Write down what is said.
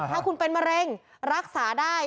ถ้าคุณเป็นมะเร็งรักษาได้